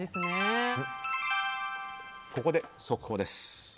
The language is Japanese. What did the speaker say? ここで速報です。